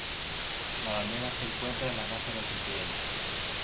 La bandera se encuentra en la casa del presidente.